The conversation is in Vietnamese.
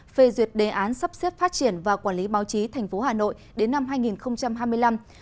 phê duyệt đề án sắp xếp phát triển và quản lý báo chí thành phố hà nội đến năm hai nghìn hai mươi năm